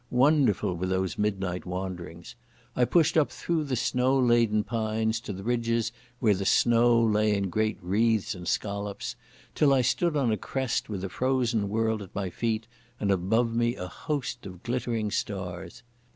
Wonderful were those midnight wanderings. I pushed up through the snow laden pines to the ridges where the snow lay in great wreaths and scallops, till I stood on a crest with a frozen world at my feet and above me a host of glittering stars.